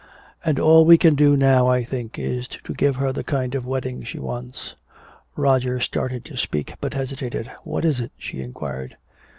"And all we can do now, I think, is to give her the kind of wedding she wants." Roger started to speak but hesitated. "What is it?" she inquired.